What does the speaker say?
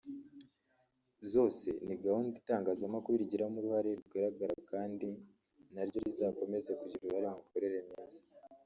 zose ni gahunda itangazamakuru rigiramo uruhare rugaragara kandi naryo rizakomeze kugira uruhare mu mikorere myiza